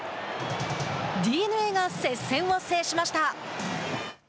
ＤｅＮＡが接戦を制しました。